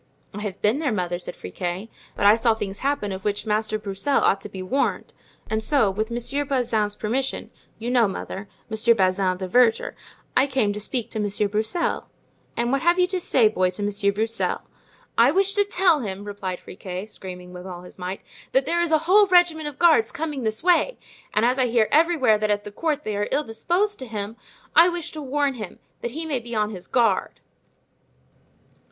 "I have been there, mother," said Friquet, "but I saw things happen of which Master Broussel ought to be warned, and so with Monsieur Bazin's permission—you know, mother, Monsieur Bazin, the verger—I came to speak to Monsieur Broussel." "And what hast thou to say, boy, to Monsieur Broussel?" "I wish to tell him," replied Friquet, screaming with all his might, "that there is a whole regiment of guards coming this way. And as I hear everywhere that at the court they are ill disposed to him, I wish to warn him, that he may be on his guard."